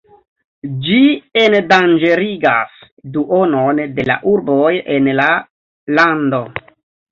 Ĝi endanĝerigas duonon de la urboj en la lando.